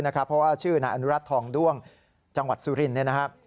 เพราะว่าชื่อนาอันุรัติทองด้วงจังหวัดสุรินทร์